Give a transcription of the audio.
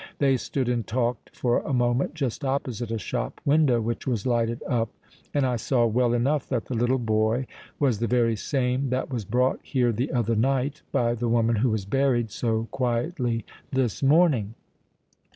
They stood and talked for a moment just opposite a shop window which was lighted up; and I saw well enough that the little boy was the very same that was brought here the other night by the woman who was buried so quietly this morning."